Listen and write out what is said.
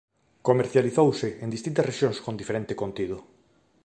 Comercializouse en distintas rexións con diferente contido.